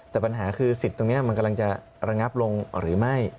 แต่ปัญหาคือสิทธิ์ตรงนี้มันกำลังจะระงับลงหรือไม่